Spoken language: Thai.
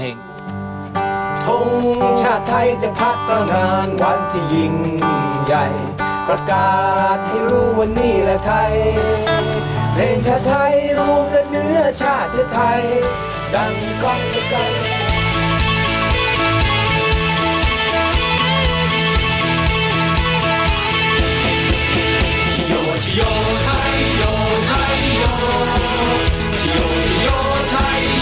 เพลงชาไทรรวมกันเนื้อชาชาไทย